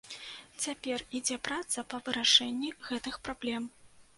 Цяпер ідзе праца па вырашэнні гэтых праблем.